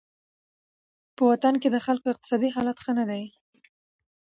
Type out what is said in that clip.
په وطن کې د خلکو اقتصادي حالت ښه نه دی.